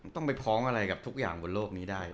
ต้องไปพ้องอะไรกับทุกอย่างบนโลกนี้ได้